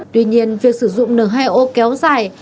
tuy nhiên việc sử dụng n hai o kéo dài